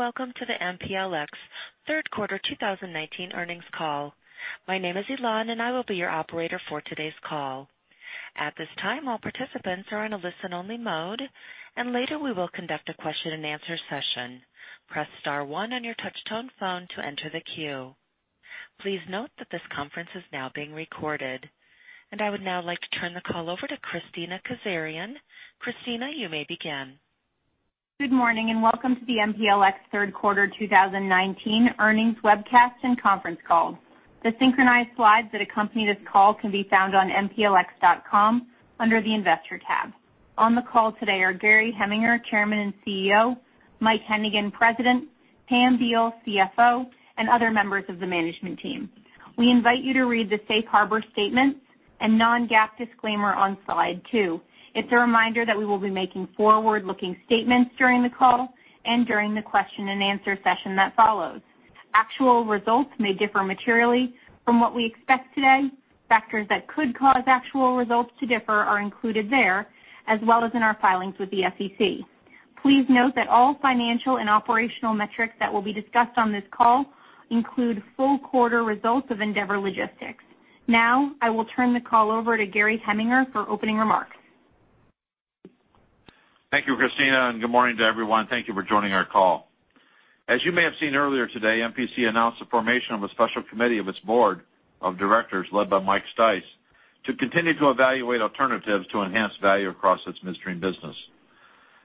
Welcome to the MPLX third quarter 2019 earnings call. My name is Elan, and I will be your operator for today's call. At this time, all participants are in a listen-only mode, and later we will conduct a question and answer session. Press star one on your touch-tone phone to enter the queue. Please note that this conference is now being recorded. I would now like to turn the call over to Kristina Kazarian. Kristina, you may begin. Good morning, and welcome to the MPLX third quarter 2019 earnings webcast and conference call. The synchronized slides that accompany this call can be found on mplx.com under the Investor tab. On the call today are Gary Heminger, Chairman and CEO, Mike Hennigan, President, Pam Beall, CFO, and other members of the management team. We invite you to read the safe harbor statements and non-GAAP disclaimer on slide two. It's a reminder that we will be making forward-looking statements during the call and during the question and answer session that follows. Actual results may differ materially from what we expect today. Factors that could cause actual results to differ are included there, as well as in our filings with the SEC. Please note that all financial and operational metrics that will be discussed on this call include full quarter results of Andeavor Logistics. Now, I will turn the call over to Gary Heminger for opening remarks. Thank you, Kristina, and good morning to everyone. Thank you for joining our call. As you may have seen earlier today, MPC announced the formation of a special committee of its board of directors led by Mike Stice to continue to evaluate alternatives to enhance value across its midstream business.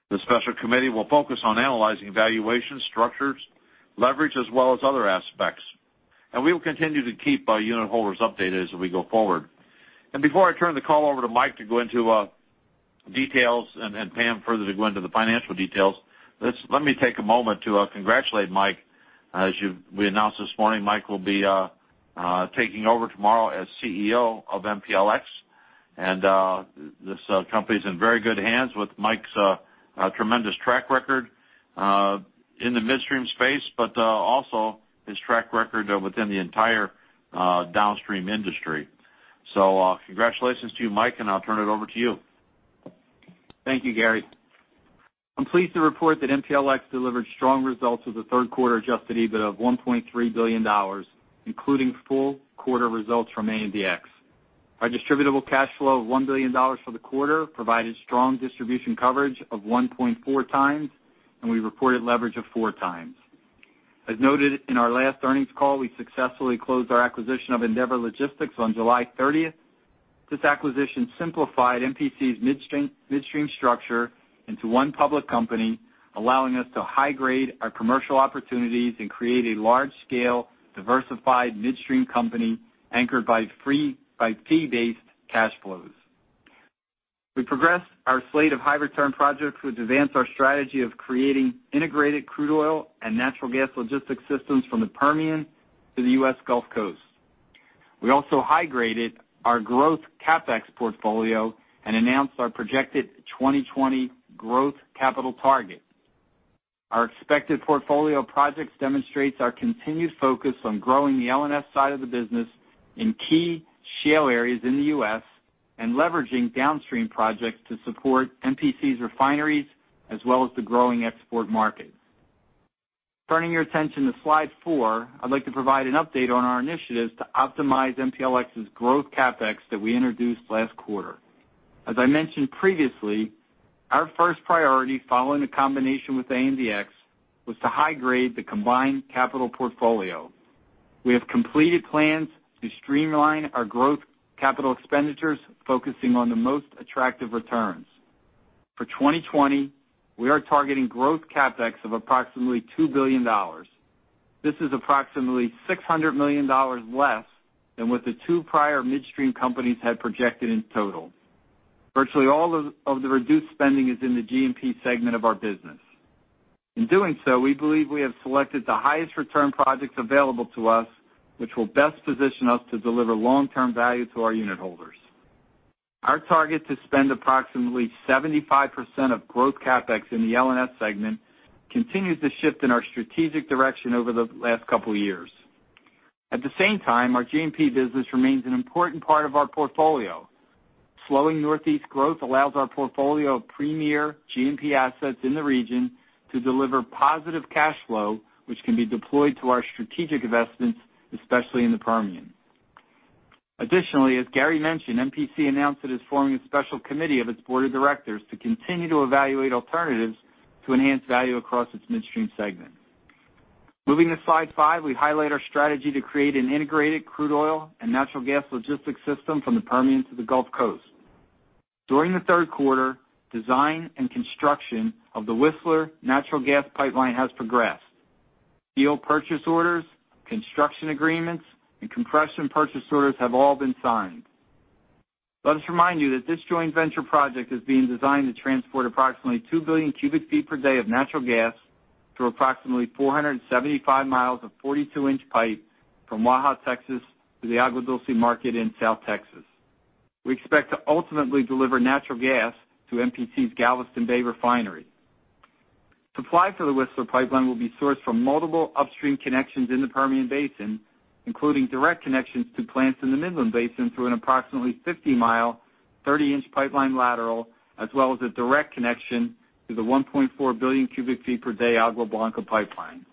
The special committee will focus on analyzing valuations, structures, leverage, as well as other aspects. We will continue to keep our unitholders updated as we go forward. Before I turn the call over to Mike to go into details, and Pam further to go into the financial details, let me take a moment to congratulate Mike. As we announced this morning, Mike will be taking over tomorrow as CEO of MPLX. This company's in very good hands with Mike's tremendous track record in the midstream space, but also his track record within the entire downstream industry. Congratulations to you, Mike, and I'll turn it over to you. Thank you, Gary. I'm pleased to report that MPLX delivered strong results with a third quarter adjusted EBITDA of $1.3 billion, including full quarter results from ANDX. Our distributable cash flow of $1 billion for the quarter provided strong distribution coverage of 1.4 times, and we reported leverage of 4 times. As noted in our last earnings call, we successfully closed our acquisition of Andeavor Logistics on July 30th. This acquisition simplified MPC's midstream structure into one public company, allowing us to high-grade our commercial opportunities and create a large-scale, diversified midstream company anchored by fee-based cash flows. We progressed our slate of high-return projects, which advance our strategy of creating integrated crude oil and natural gas logistics systems from the Permian to the U.S. Gulf Coast. We also high-graded our growth CapEx portfolio and announced our projected 2020 growth capital target. Our expected portfolio of projects demonstrates our continued focus on growing the L&S side of the business in key shale areas in the U.S. and leveraging downstream projects to support MPC's refineries, as well as the growing export markets. Turning your attention to slide four, I'd like to provide an update on our initiatives to optimize MPLX's growth CapEx that we introduced last quarter. As I mentioned previously, our first priority following the combination with ANDX was to high-grade the combined capital portfolio. We have completed plans to streamline our growth capital expenditures, focusing on the most attractive returns. For 2020, we are targeting growth CapEx of approximately $2 billion. This is approximately $600 million less than what the two prior midstream companies had projected in total. Virtually all of the reduced spending is in the G&P segment of our business. In doing so, we believe we have selected the highest return projects available to us, which will best position us to deliver long-term value to our unitholders. Our target to spend approximately 75% of growth CapEx in the L&S segment continues to shift in our strategic direction over the last couple of years. At the same time, our G&P business remains an important part of our portfolio. Slowing Northeast growth allows our portfolio of premier G&P assets in the region to deliver positive cash flow, which can be deployed to our strategic investments, especially in the Permian. Additionally, as Gary mentioned, MPC announced it is forming a special committee of its board of directors to continue to evaluate alternatives to enhance value across its midstream segment. Moving to slide five, we highlight our strategy to create an integrated crude oil and natural gas logistics system from the Permian to the Gulf Coast. During the third quarter, design and construction of the Whistler Natural Gas Pipeline has progressed. Steel purchase orders, construction agreements, and compression purchase orders have all been signed. Let us remind you that this joint venture project is being designed to transport approximately 2 billion cubic feet per day of natural gas through approximately 475 miles of 42-inch pipe from Waha, Texas, to the Agua Dulce market in South Texas. We expect to ultimately deliver natural gas to MPC's Galveston Bay refinery. Supply for the Whistler Pipeline will be sourced from multiple upstream connections in the Permian Basin, including direct connections to plants in the Midland Basin through an approximately 50-mile-30-inch pipeline lateral, as well as a direct connection to the 1.4 billion cubic feet per day Agua Blanca Pipeline.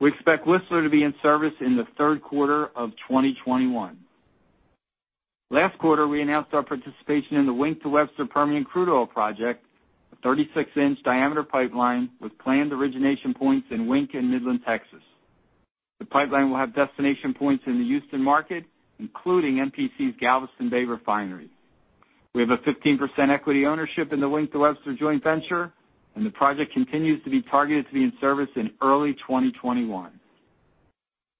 We expect Whistler to be in service in the third quarter of 2021. Last quarter, we announced our participation in the Wink to Webster Permian Crude Oil Project, a 36-inch diameter pipeline with planned origination points in Wink and Midland, Texas. The pipeline will have destination points in the Houston market, including MPC's Galveston Bay refinery. We have a 15% equity ownership in the Wink to Webster joint venture, and the Project continues to be targeted to be in service in early 2021.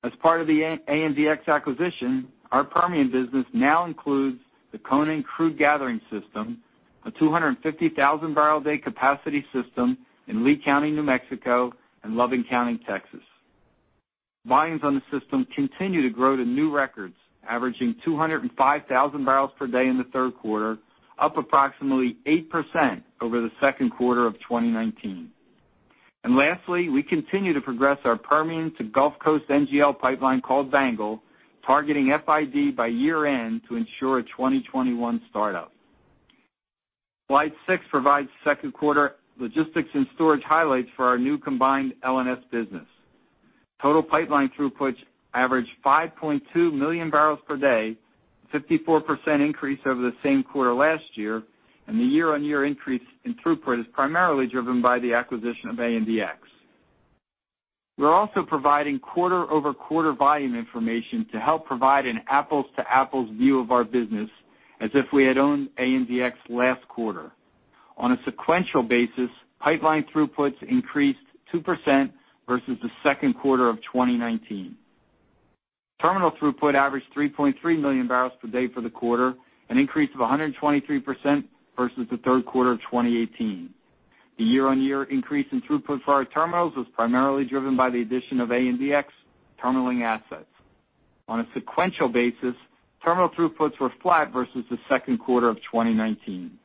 As part of the ANDX acquisition, our Permian business now includes the Conan crude gathering system, a 250,000-barrel-a-day capacity system in Lea County, New Mexico, and Loving County, Texas. Volumes on the system continue to grow to new records, averaging 205,000 barrels per day in the third quarter, up approximately 8% over the second quarter of 2019. Lastly, we continue to progress our Permian to Gulf Coast NGL pipeline, called BANGL, targeting FID by year-end to ensure a 2021 startup. Slide six provides second quarter logistics and storage highlights for our new combined L&S business. Total pipeline throughputs averaged 5.2 million barrels per day, a 54% increase over the same quarter last year, and the year-on-year increase in throughput is primarily driven by the acquisition of ANDX. We're also providing quarter-over-quarter volume information to help provide an apples to apples view of our business as if we had owned ANDX last quarter. On a sequential basis, pipeline throughputs increased 2% versus the second quarter of 2019. Terminal throughput averaged 3.3 million barrels per day for the quarter, an increase of 123% versus the third quarter of 2018. The year-on-year increase in throughput for our terminals was primarily driven by the addition of ANDX terminaling assets. On a sequential basis, terminal throughputs were flat versus the second quarter of 2019.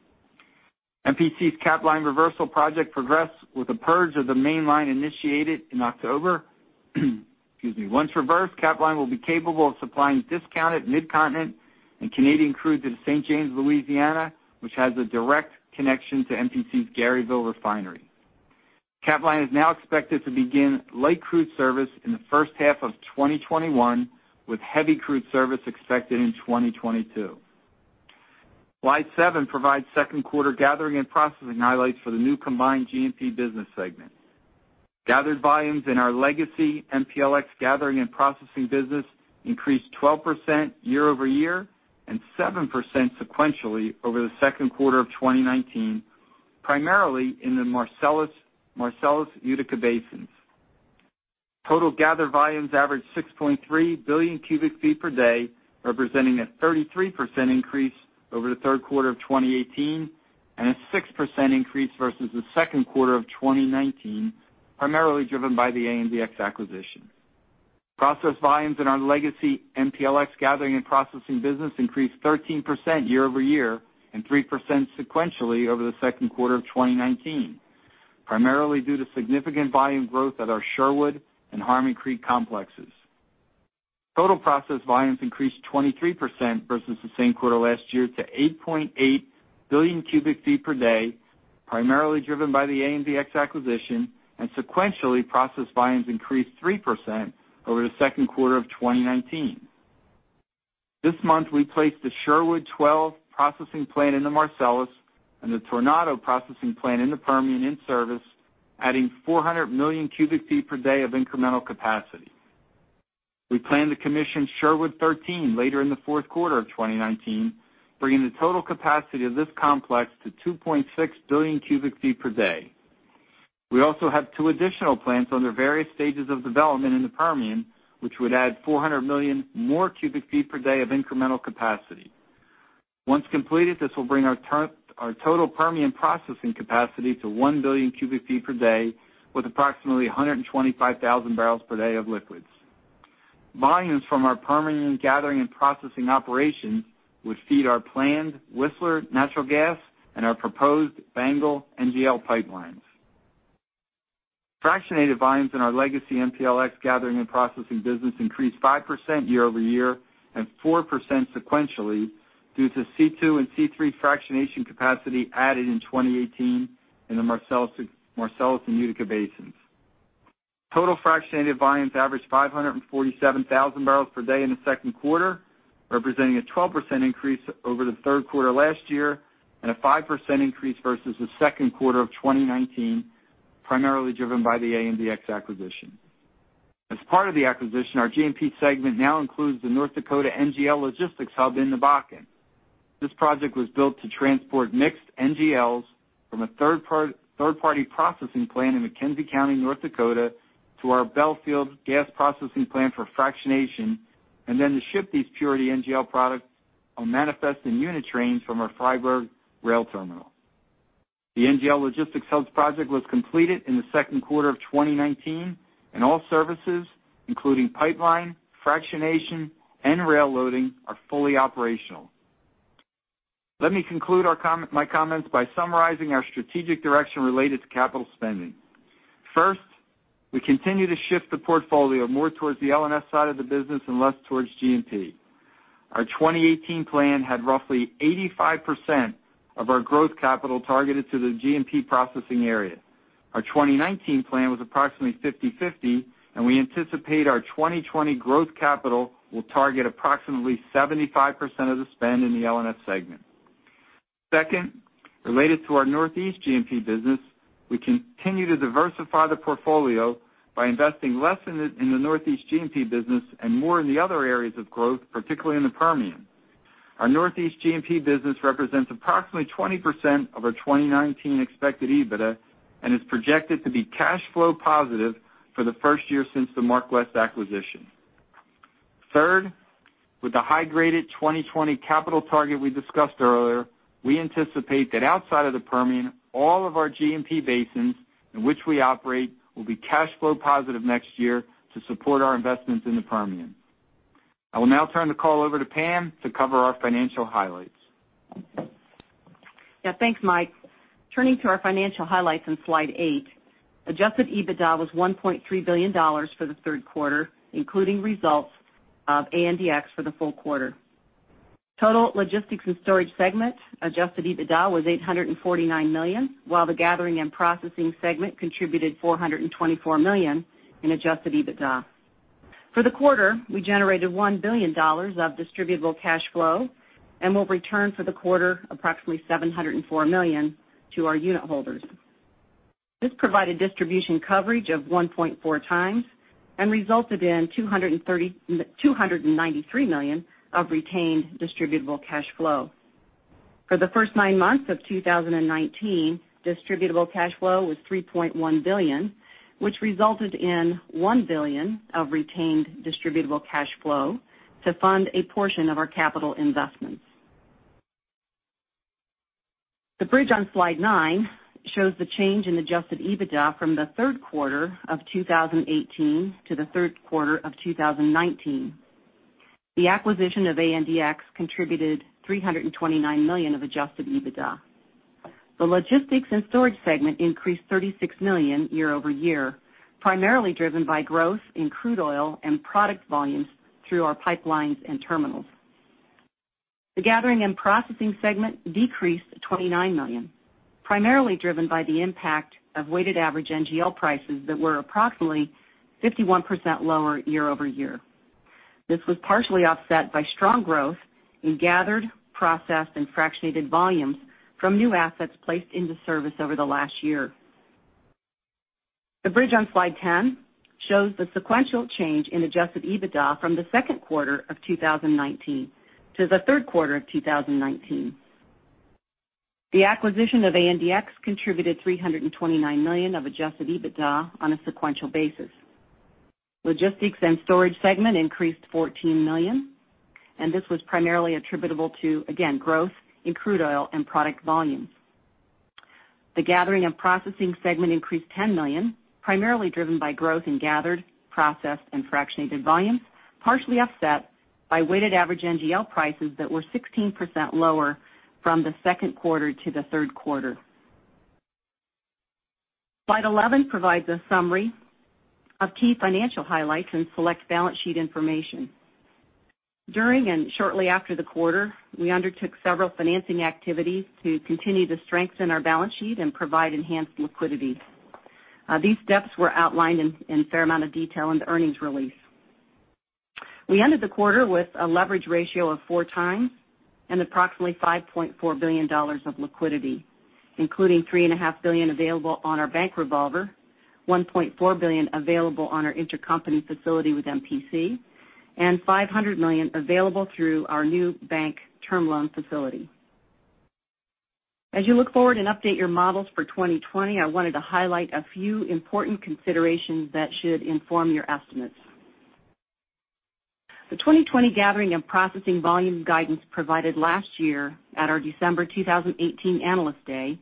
MPC's Capline reversal project progressed with a purge of the mainline initiated in October. Excuse me. Once reversed, Capline will be capable of supplying discounted Mid-Continent and Canadian crude to St. James, Louisiana, which has a direct connection to MPC's Garyville Refinery. Capline is now expected to begin light crude service in the first half of 2021, with heavy crude service expected in 2022. Slide seven provides second quarter Gathering & Processing highlights for the new combined G&P business segment. Gathered volumes in our legacy MPLX Gathering & Processing business increased 12% year-over-year and 7% sequentially over the second quarter of 2019, primarily in the Marcellus Utica basins. Total gathered volumes averaged 6.3 billion cubic feet per day, representing a 33% increase over the third quarter of 2018 and a 6% increase versus the second quarter of 2019, primarily driven by the ANDX acquisition. Process volumes in our legacy MPLX Gathering & Processing business increased 13% year-over-year and 3% sequentially over the second quarter of 2019, primarily due to significant volume growth at our Sherwood and Harmony Creek complexes. Total process volumes increased 23% versus the same quarter last year to 8.8 billion cubic feet per day, primarily driven by the ANDX acquisition, and sequentially, processed volumes increased 3% over the second quarter of 2019. This month, we placed the Sherwood 12 processing plant in the Marcellus and the Tornado processing plant in the Permian in service, adding 400 million cubic feet per day of incremental capacity. We plan to commission Sherwood 13 later in the fourth quarter of 2019, bringing the total capacity of this complex to 2.6 billion cubic feet per day. We also have two additional plants under various stages of development in the Permian, which would add 400 million more cubic feet per day of incremental capacity. Once completed, this will bring our total Permian processing capacity to 1 billion cubic feet per day, with approximately 125,000 barrels per day of liquids. Volumes from our Permian gathering and processing operations would feed our planned Whistler natural gas and our proposed BANGL NGL pipelines. Fractionated volumes in our legacy MPLX gathering and processing business increased 5% year-over-year and 4% sequentially due to C2 and C3 fractionation capacity added in 2018 in the Marcellus and Utica basins. Total fractionated volumes averaged 547,000 barrels per day in the second quarter, representing a 12% increase over the third quarter last year and a 5% increase versus the second quarter of 2019, primarily driven by the ANDX acquisition. As part of the acquisition, our G&P segment now includes the North Dakota NGL Logistics Hub in the Bakken. This project was built to transport mixed NGLs from a third-party processing plant in McKenzie County, North Dakota, to our Belfield gas processing plant for fractionation, and then to ship these purity NGL products on manifest unit trains from our Fryburg rail terminal. The NGL Logistics Hub project was completed in the second quarter of 2019, and all services, including pipeline, fractionation, and rail loading, are fully operational. Let me conclude my comments by summarizing our strategic direction related to capital spending. First, we continue to shift the portfolio more towards the L&S side of the business and less towards G&P. Our 2018 plan had roughly 85% of our growth capital targeted to the G&P processing area. Our 2019 plan was approximately 50/50, and we anticipate our 2020 growth capital will target approximately 75% of the spend in the L&S segment. Second, related to our Northeast G&P business, we continue to diversify the portfolio by investing less in the Northeast G&P business and more in the other areas of growth, particularly in the Permian. Our Northeast G&P business represents approximately 20% of our 2019 expected EBITDA, and is projected to be cash flow positive for the first year since the MarkWest acquisition. Third, with the high-graded 2020 capital target we discussed earlier, we anticipate that outside of the Permian, all of our G&P basins in which we operate will be cash flow positive next year to support our investments in the Permian. I will now turn the call over to Pam to cover our financial highlights. Yeah. Thanks, Mike. Turning to our financial highlights on slide eight, adjusted EBITDA was $1.3 billion for the third quarter, including results of ANDX for the full quarter. Total Logistics and Storage Segment adjusted EBITDA was $849 million, while the Gathering and Processing Segment contributed $424 million in adjusted EBITDA. For the quarter, we generated $1 billion of distributable cash flow and will return for the quarter approximately $704 million to our unit holders. This provided distribution coverage of 1.4 times and resulted in $293 million of retained distributable cash flow. For the first nine months of 2019, distributable cash flow was $3.1 billion, which resulted in $1 billion of retained distributable cash flow to fund a portion of our capital investments. The bridge on slide nine shows the change in adjusted EBITDA from the third quarter of 2018 to the third quarter of 2019. The acquisition of ANDX contributed $329 million of adjusted EBITDA. The Logistics and Storage segment increased $36 million year-over-year, primarily driven by growth in crude oil and product volumes through our pipelines and terminals. The Gathering and Processing segment decreased $29 million, primarily driven by the impact of weighted average NGL prices that were approximately 51% lower year-over-year. This was partially offset by strong growth in gathered, processed and fractionated volumes from new assets placed into service over the last year. The bridge on slide ten shows the sequential change in adjusted EBITDA from the second quarter of 2019 to the third quarter of 2019. The acquisition of ANDX contributed $329 million of adjusted EBITDA on a sequential basis. Logistics & Storage segment increased $14 million, and this was primarily attributable to, again, growth in crude oil and product volumes. The Gathering & Processing segment increased $10 million, primarily driven by growth in gathered, processed and fractionated volumes, partially offset by weighted average NGL prices that were 16% lower from the second quarter to the third quarter. Slide 11 provides a summary of key financial highlights and select balance sheet information. During and shortly after the quarter, we undertook several financing activities to continue to strengthen our balance sheet and provide enhanced liquidity. These steps were outlined in a fair amount of detail in the earnings release. We ended the quarter with a leverage ratio of four times and approximately $5.4 billion of liquidity, including three and a half billion available on our bank revolver, $1.4 billion available on our intercompany facility with MPC, and $500 million available through our new bank term loan facility. As you look forward and update your models for 2020, I wanted to highlight a few important considerations that should inform your estimates. The 2020 Gathering & Processing volume guidance provided last year at our December 2018 Analyst Day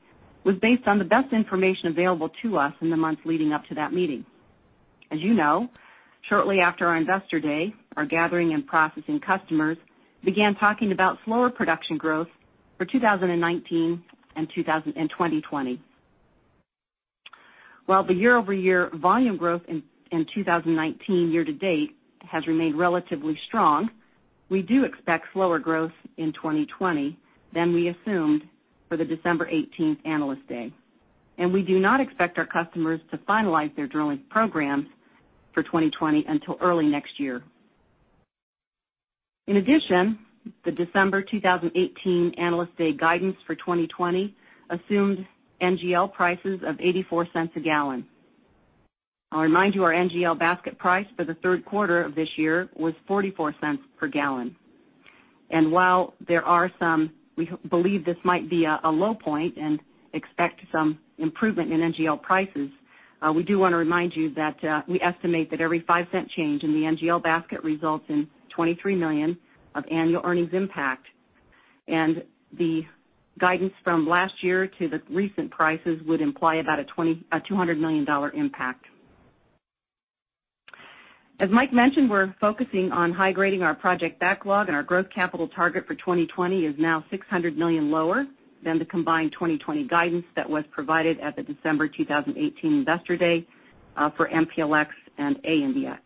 was based on the best information available to us in the months leading up to that meeting. As you know, shortly after our Investor Day, our Gathering & Processing customers began talking about slower production growth for 2019 and 2020. While the year-over-year volume growth in 2019 year to date has remained relatively strong, we do expect slower growth in 2020 than we assumed for the December 18 Analyst Day, and we do not expect our customers to finalize their drilling programs for 2020 until early next year. In addition, the December 2018 Analyst Day guidance for 2020 assumed NGL prices of $0.84 a gallon. I'll remind you, our NGL basket price for the third quarter of this year was $0.44 per gallon. While we believe this might be a low point and expect some improvement in NGL prices, we do want to remind you that we estimate that every $0.05 change in the NGL basket results in $23 million of annual earnings impact. The guidance from last year to the recent prices would imply about a $200 million impact. As Mike mentioned, we're focusing on high-grading our project backlog, and our growth capital target for 2020 is now $600 million lower than the combined 2020 guidance that was provided at the December 2018 investor day for MPLX and ANDX.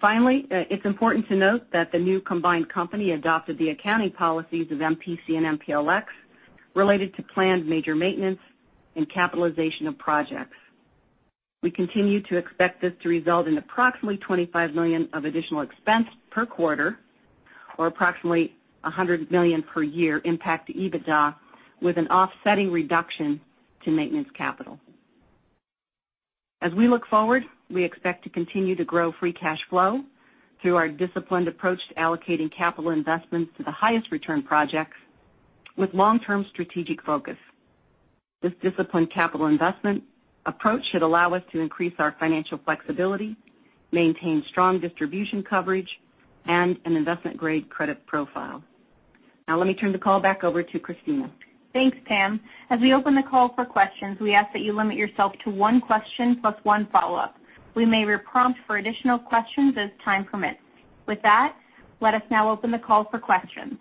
Finally, it's important to note that the new combined company adopted the accounting policies of MPC and MPLX related to planned major maintenance and capitalization of projects. We continue to expect this to result in approximately $25 million of additional expense per quarter or approximately $100 million per year impact to EBITDA, with an offsetting reduction to maintenance capital. As we look forward, we expect to continue to grow free cash flow through our disciplined approach to allocating capital investments to the highest return projects with long-term strategic focus. This disciplined capital investment approach should allow us to increase our financial flexibility, maintain strong distribution coverage, and an investment-grade credit profile. Let me turn the call back over to Kristina. Thanks, Pam. As we open the call for questions, we ask that you limit yourself to one question plus one follow-up. We may prompt for additional questions as time permits. With that, let us now open the call for questions.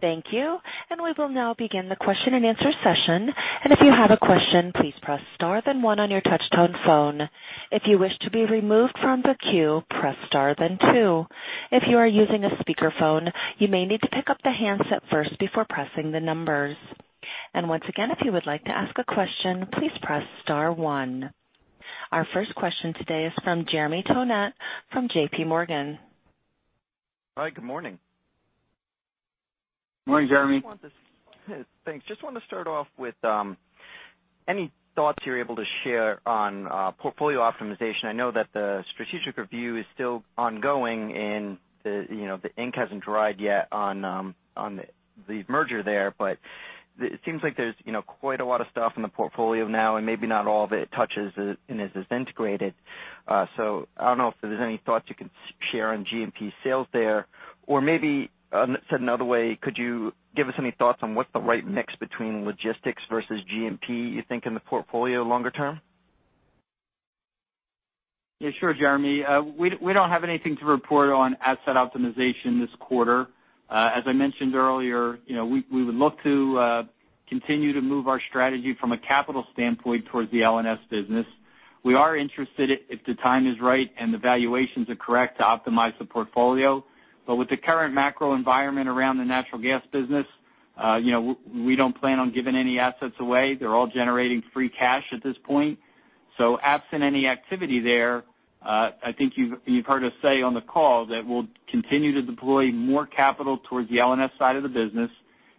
Thank you. We will now begin the question-and-answer session. If you have a question, please press star then one on your touch-tone phone. If you wish to be removed from the queue, press star then two. If you are using a speakerphone, you may need to pick up the handset first before pressing the numbers. Once again, if you would like to ask a question, please press star one. Our first question today is from Jeremy Tonet from J.P. Morgan. Hi, good morning. Morning, Jeremy. Thanks. Just want to start off with any thoughts you're able to share on portfolio optimization. I know that the strategic review is still ongoing and the ink hasn't dried yet on the merger there. It seems like there's quite a lot of stuff in the portfolio now, and maybe not all of it touches and is as integrated. I don't know if there's any thoughts you can share on G&P sales there. Maybe said another way, could you give us any thoughts on what's the right mix between logistics versus G&P, you think, in the portfolio longer term? Sure, Jeremy. We don't have anything to report on asset optimization this quarter. As I mentioned earlier, we would look to continue to move our strategy from a capital standpoint towards the L&S business. We are interested, if the time is right and the valuations are correct, to optimize the portfolio. With the current macro environment around the natural gas business, we don't plan on giving any assets away. They're all generating free cash at this point. Absent any activity there, I think you've heard us say on the call that we'll continue to deploy more capital towards the L&S side of the business.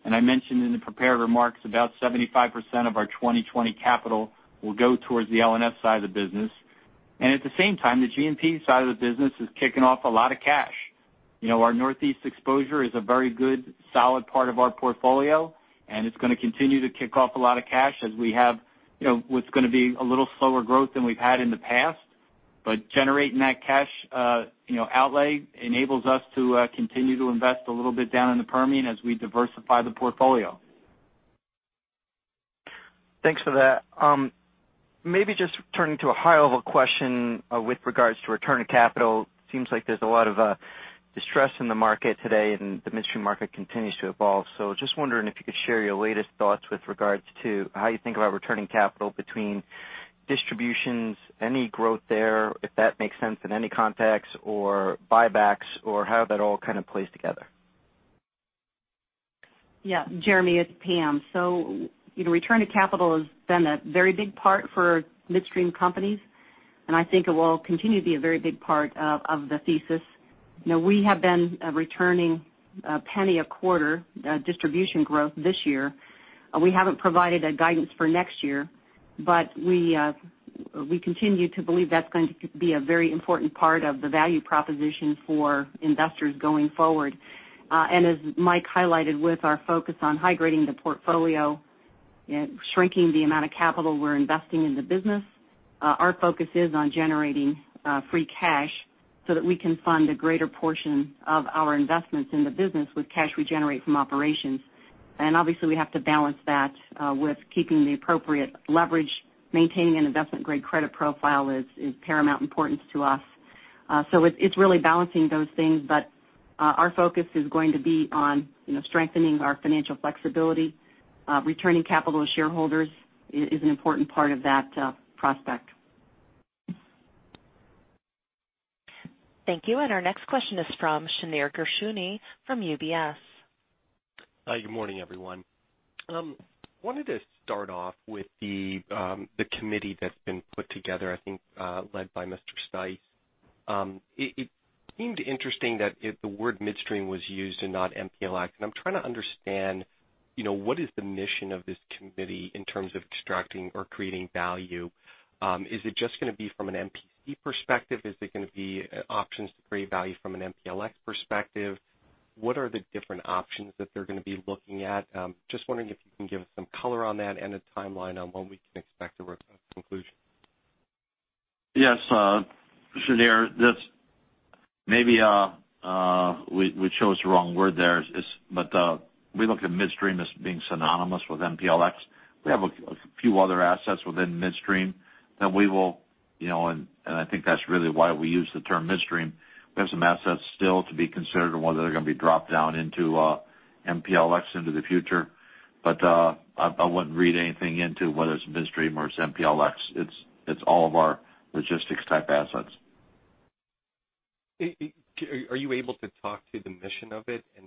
I mentioned in the prepared remarks, about 75% of our 2020 capital will go towards the L&S side of the business. At the same time, the G&P side of the business is kicking off a lot of cash. Our Northeast exposure is a very good, solid part of our portfolio, and it's going to continue to kick off a lot of cash as we have what's going to be a little slower growth than we've had in the past. Generating that cash outlay enables us to continue to invest a little bit down in the Permian as we diversify the portfolio. Thanks for that. Maybe just turning to a high-level question with regards to return of capital. Seems like there's a lot of distress in the market today, and the midstream market continues to evolve. Just wondering if you could share your latest thoughts with regards to how you think about returning capital between distributions, any growth there, if that makes sense in any context, or buybacks, or how that all kind of plays together. Jeremy, it's Pam. Return to capital has been a very big part for midstream companies, and I think it will continue to be a very big part of the thesis. We have been returning a penny a quarter distribution growth this year. We haven't provided a guidance for next year, we continue to believe that's going to be a very important part of the value proposition for investors going forward. As Mike highlighted with our focus on high-grading the portfolio, shrinking the amount of capital we're investing in the business, our focus is on generating free cash so that we can fund a greater portion of our investments in the business with cash we generate from operations. Obviously, we have to balance that with keeping the appropriate leverage. Maintaining an investment-grade credit profile is paramount importance to us. It's really balancing those things, but our focus is going to be on strengthening our financial flexibility. Returning capital to shareholders is an important part of that prospect. Thank you. Our next question is from Shneur Gershuni from UBS. Hi, good morning, everyone. Wanted to start off with the committee that's been put together, I think led by Mr. Stice. It seemed interesting that the word midstream was used and not MPLX, and I'm trying to understand what is the mission of this committee in terms of extracting or creating value. Is it just going to be from an MPC perspective? Is it going to be options to create value from an MPLX perspective? What are the different options that they're going to be looking at? Just wondering if you can give us some color on that and a timeline on when we can expect a conclusion. Yes, Shneur. This Maybe we chose the wrong word there. We look at midstream as being synonymous with MPLX. We have a few other assets within midstream. I think that's really why we use the term midstream. We have some assets still to be considered, and whether they're going to be dropped down into MPLX into the future. I wouldn't read anything into whether it's midstream or it's MPLX. It's all of our logistics-type assets. Are you able to talk to the mission of it and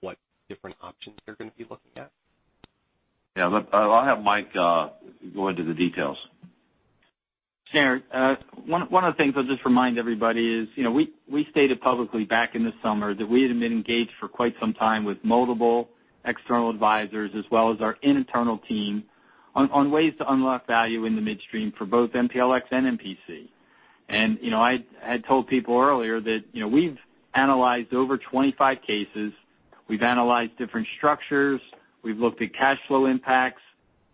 what different options you're going to be looking at? I'll have Mike go into the details. Sure. One of the things I'll just remind everybody is, we stated publicly back in the summer that we had been engaged for quite some time with multiple external advisors as well as our internal team on ways to unlock value in the midstream for both MPLX and MPC. I had told people earlier that we've analyzed over 25 cases. We've analyzed different structures. We've looked at cash flow impacts,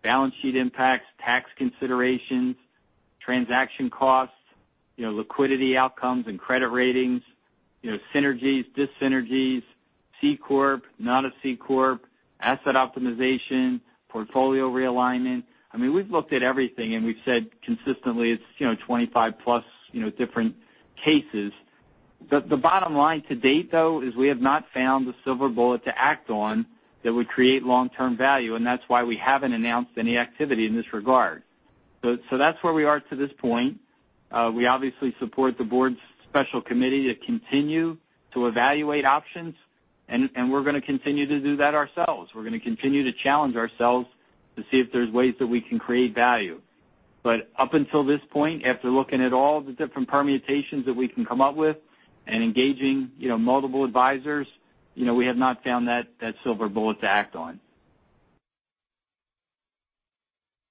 balance sheet impacts, tax considerations, transaction costs, liquidity outcomes and credit ratings, synergies, dis-synergies, C corp, not a C corp, asset optimization, portfolio realignment. We've looked at everything, we've said consistently it's 25 plus different cases. The bottom line to date, though, is we have not found the silver bullet to act on that would create long-term value, and that's why we haven't announced any activity in this regard. That's where we are to this point. We obviously support the board's special committee to continue to evaluate options, and we're going to continue to do that ourselves. We're going to continue to challenge ourselves to see if there's ways that we can create value. Up until this point, after looking at all the different permutations that we can come up with and engaging multiple advisors, we have not found that silver bullet to act on.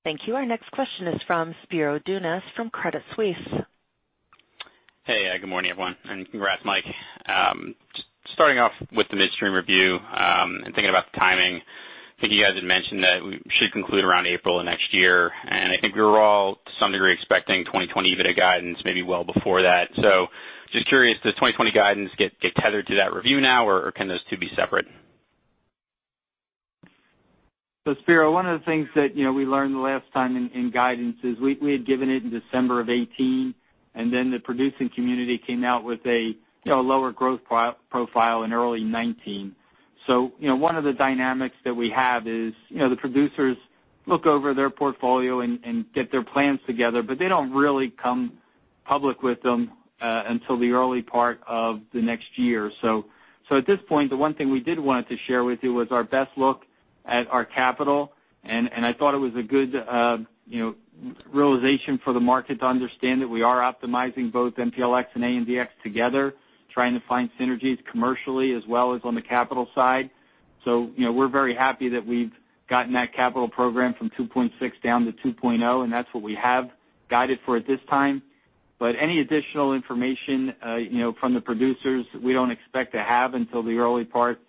Thank you. Our next question is from Spiro Dounis from Credit Suisse. Hey. Good morning, everyone, and congrats, Mike. Starting off with the midstream review and thinking about the timing, I think you guys had mentioned that it should conclude around April of next year, and I think we were all, to some degree, expecting 2020 EBITDA guidance maybe well before that. Just curious, does the 2020 guidance get tethered to that review now, or can those two be separate? Spiro, one of the things that we learned the last time in guidance is we had given it in December of 2018, and then the producing community came out with a lower growth profile in early 2019. One of the dynamics that we have is the producers look over their portfolio and get their plans together, but they don't really come public with them until the early part of the next year. At this point, the one thing we did want to share with you was our best look at our capital, and I thought it was a good realization for the market to understand that we are optimizing both MPLX and ANDX together, trying to find synergies commercially as well as on the capital side. We're very happy that we've gotten that capital program from $2.6 down to $2.0, and that's what we have guided for at this time. Any additional information from the producers, we don't expect to have until the early part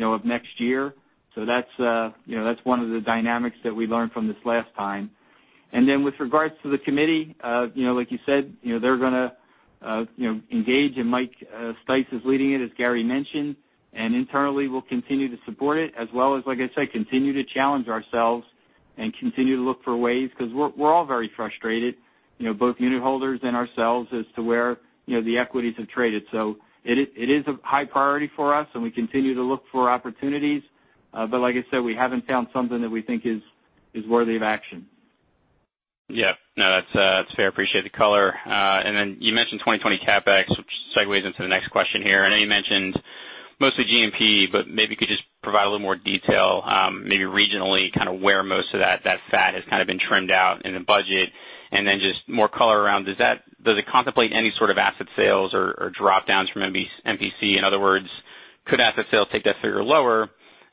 of next year. With regards to the committee, like you said, they're going to engage, and Mike Stice is leading it, as Gary mentioned, and internally, we'll continue to support it as well as, like I said, continue to challenge ourselves and continue to look for ways. We're all very frustrated, both unit holders and ourselves, as to where the equities have traded. It is a high priority for us, and we continue to look for opportunities. Like I said, we haven't found something that we think is worthy of action. Yeah. No, that's fair. Appreciate the color. You mentioned 2020 CapEx, which segues into the next question here. I know you mentioned mostly G&P, maybe you could just provide a little more detail maybe regionally kind of where most of that fat has kind of been trimmed out in the budget. Just more color around, does it contemplate any sort of asset sales or drop-downs from MPC? In other words, could asset sales take that figure lower,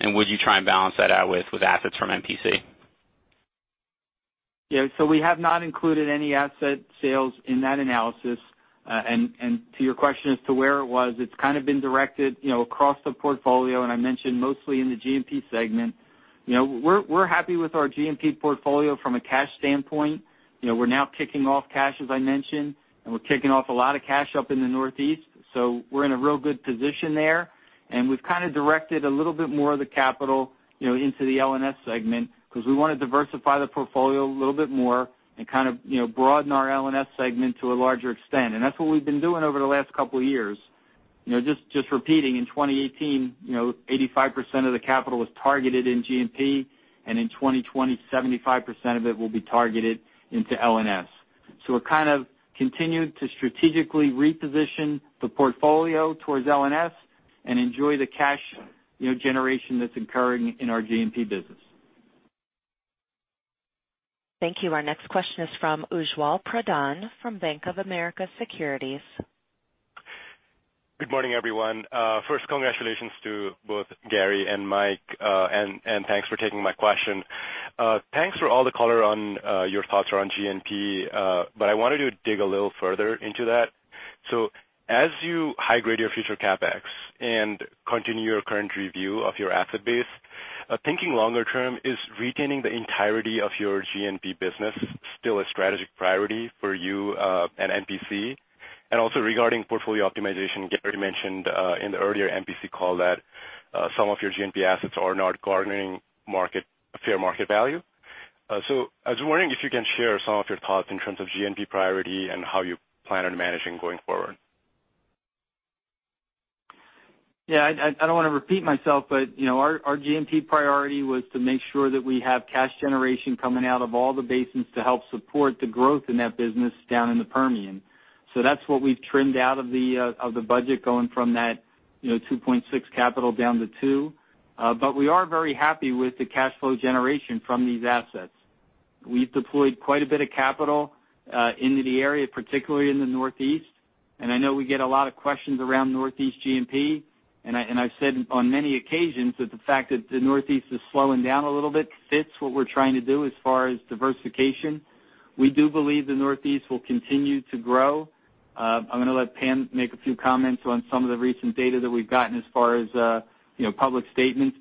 would you try and balance that out with assets from MPC? Yeah. We have not included any asset sales in that analysis. To your question as to where it was, it's kind of been directed across the portfolio, and I mentioned mostly in the G&P segment. We're happy with our G&P portfolio from a cash standpoint. We're now kicking off cash, as I mentioned, and we're kicking off a lot of cash up in the Northeast. We're in a real good position there. We've kind of directed a little bit more of the capital into the L&S segment because we want to diversify the portfolio a little bit more and kind of broaden our L&S segment to a larger extent. That's what we've been doing over the last couple of years. Just repeating, in 2018, 85% of the capital was targeted in G&P, and in 2020, 75% of it will be targeted into L&S. We're kind of continuing to strategically reposition the portfolio towards L&S and enjoy the cash generation that's occurring in our G&P business. Thank you. Our next question is from Ujjwal Pradhan from Bank of America Securities. Good morning, everyone. First, congratulations to both Gary and Mike, and thanks for taking my question. Thanks for all the color on your thoughts around G&P. I wanted to dig a little further into that. As you high-grade your future CapEx and continue your current review of your asset base, thinking longer term, is retaining the entirety of your G&P business still a strategic priority for you at MPC? Also regarding portfolio optimization, Gary mentioned in the earlier MPC call that some of your G&P assets are not garnering fair market value. I was wondering if you can share some of your thoughts in terms of G&P priority and how you plan on managing going forward. I don't want to repeat myself, our G&P priority was to make sure that we have cash generation coming out of all the basins to help support the growth in that business down in the Permian. That's what we've trimmed out of the budget going from that $2.6 capital down to $2. We are very happy with the cash flow generation from these assets. We've deployed quite a bit of capital into the area, particularly in the Northeast, and I know we get a lot of questions around Northeast G&P. I've said on many occasions that the fact that the Northeast is slowing down a little bit fits what we're trying to do as far as diversification. We do believe the Northeast will continue to grow. I'm going to let Pam make a few comments on some of the recent data that we've gotten as far as public statements.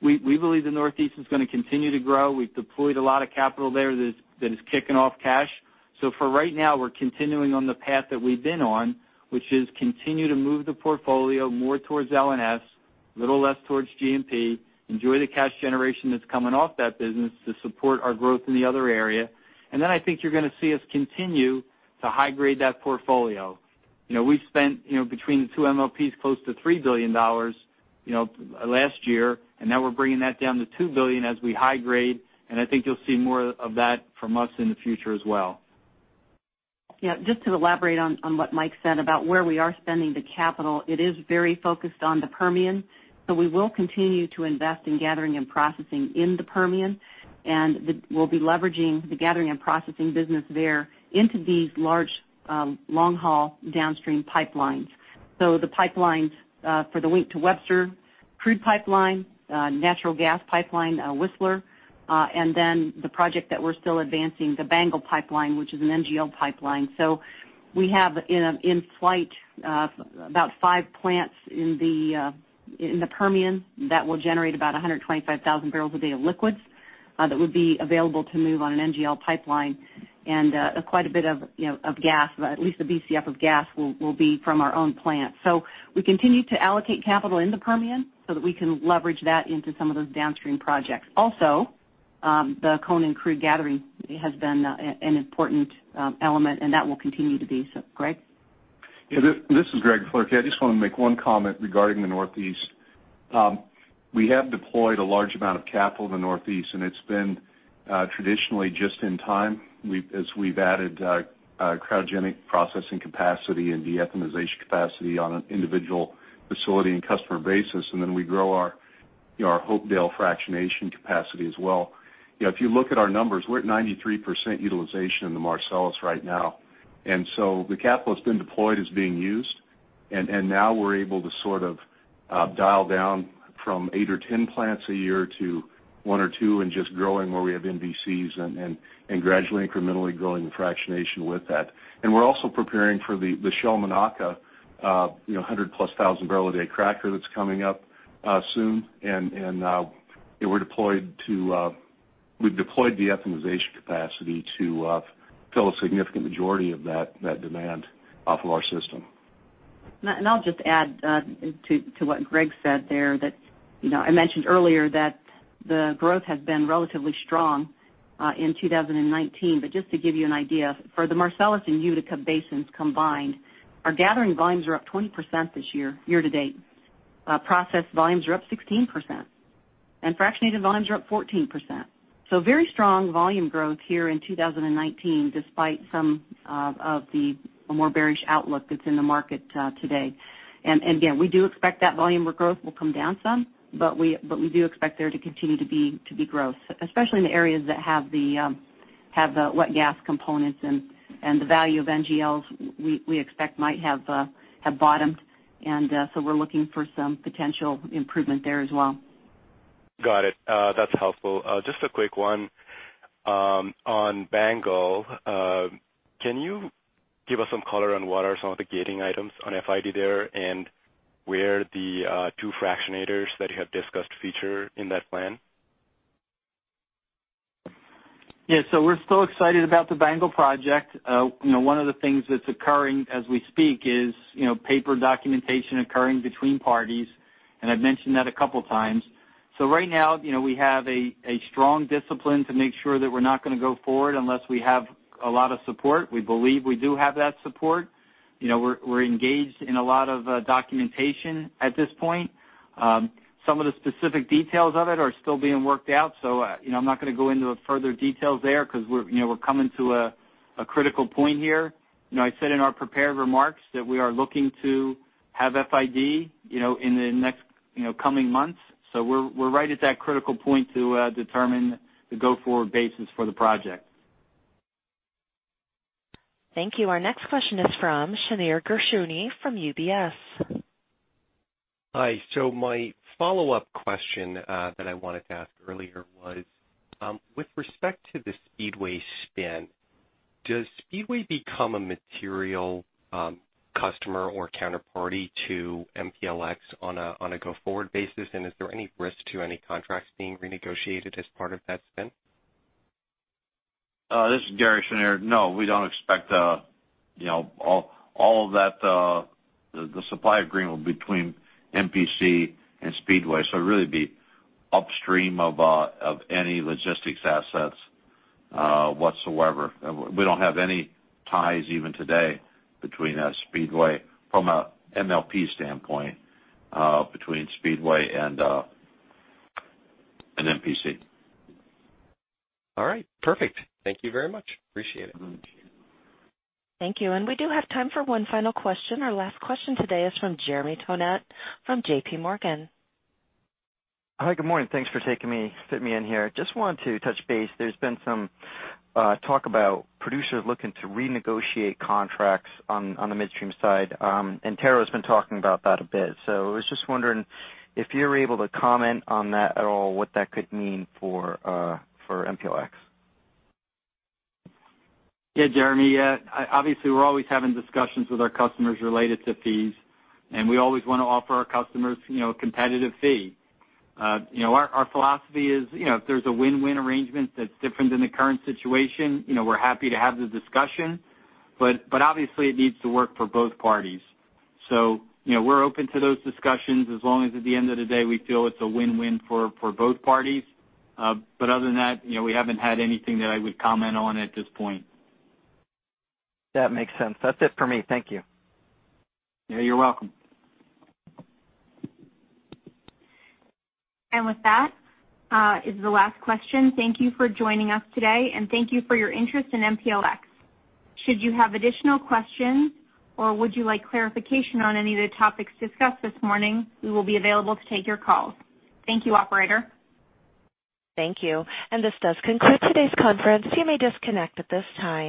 We believe the Northeast is going to continue to grow. We've deployed a lot of capital there that is kicking off cash. For right now, we're continuing on the path that we've been on, which is continue to move the portfolio more towards L&S, a little less towards G&P, enjoy the cash generation that's coming off that business to support our growth in the other area. I think you're going to see us continue to high grade that portfolio. We've spent between the two MLPs close to $3 billion last year. Now we're bringing that down to $2 billion as we high grade. I think you'll see more of that from us in the future as well. Yeah, just to elaborate on what Mike said about where we are spending the capital, it is very focused on the Permian. We will continue to invest in Gathering & Processing in the Permian, and we'll be leveraging the Gathering & Processing business there into these large long-haul downstream pipelines. The pipelines for the Wink to Webster crude pipeline, natural gas pipeline, Whistler, and then the project that we're still advancing, the BANGL Pipeline, which is an NGL pipeline. We have in flight about five plants in the Permian that will generate about 125,000 barrels a day of liquids that would be available to move on an NGL pipeline and quite a bit of gas, at least a BCF of gas will be from our own plant. We continue to allocate capital in the Permian so that we can leverage that into some of those downstream projects. Also, the Conan crude gathering has been an important element, and that will continue to be so. Greg? Yeah, this is Greg Floerke. I just want to make one comment regarding the Northeast. We have deployed a large amount of capital in the Northeast, and it's been traditionally just in time as we've added cryogenic processing capacity and de-ethanization capacity on an individual facility and customer basis, and then we grow our Hopedale fractionation capacity as well. If you look at our numbers, we're at 93% utilization in the Marcellus right now. The capital that's been deployed is being used, and now we're able to sort of dial down from eight or 10 plants a year to one or two and just growing where we have MVCs and gradually, incrementally growing the fractionation with that. We're also preparing for the Shell Monaca, 100-plus thousand barrel a day cracker that's coming up soon. We've deployed de-ethanization capacity to fill a significant majority of that demand off of our system. I'll just add to what Greg said there that I mentioned earlier that the growth has been relatively strong in 2019. Just to give you an idea, for the Marcellus and Utica basins combined, our gathering volumes are up 20% this year-to-date. Processed volumes are up 16%, and fractionated volumes are up 14%. Very strong volume growth here in 2019, despite some of the more bearish outlook that's in the market today. Again, we do expect that volume of growth will come down some, but we do expect there to continue to be growth. Especially in the areas that have the wet gas components and the value of NGLs we expect might have bottomed. We're looking for some potential improvement there as well. Got it. That's helpful. Just a quick one. On BANGL, can you give us some color on what are some of the gating items on FID there and where the two fractionators that you have discussed feature in that plan? Yeah. We're still excited about the BANGL project. One of the things that's occurring as we speak is paper documentation occurring between parties, and I've mentioned that a couple times. Right now, we have a strong discipline to make sure that we're not going to go forward unless we have a lot of support. We believe we do have that support. We're engaged in a lot of documentation at this point. Some of the specific details of it are still being worked out, so I'm not going to go into further details there because we're coming to a critical point here. I said in our prepared remarks that we are looking to have FID in the next coming months. We're right at that critical point to determine the go-forward basis for the project. Thank you. Our next question is from Shneur Gershuni from UBS. Hi. My follow-up question that I wanted to ask earlier was, with respect to the Speedway spin. Does Speedway become a material customer or counterparty to MPLX on a go-forward basis? Is there any risk to any contracts being renegotiated as part of that spin? This is Gary Heminger. We don't expect all of that. The supply agreement will be between MPC and Speedway, it would really be upstream of any logistics assets whatsoever. We don't have any ties even today between Speedway from a MLP standpoint between Speedway and MPC. All right. Perfect. Thank you very much. Appreciate it. Thank you. We do have time for one final question. Our last question today is from Jeremy Tonet from J.P. Morgan. Hi, good morning. Thanks for fitting me in here. Just wanted to touch base. There's been some talk about producers looking to renegotiate contracts on the midstream side. Antero's been talking about that a bit. I was just wondering if you're able to comment on that at all, what that could mean for MPLX? Jeremy. Obviously, we're always having discussions with our customers related to fees, and we always want to offer our customers a competitive fee. Our philosophy is, if there's a win-win arrangement that's different than the current situation, we're happy to have the discussion. Obviously, it needs to work for both parties. We're open to those discussions as long as at the end of the day, we feel it's a win-win for both parties. Other than that, we haven't had anything that I would comment on at this point. That makes sense. That's it for me. Thank you. Yeah, you're welcome. With that is the last question. Thank you for joining us today, and thank you for your interest in MPLX. Should you have additional questions, or would you like clarification on any of the topics discussed this morning, we will be available to take your calls. Thank you, operator. Thank you. This does conclude today's conference. You may disconnect at this time.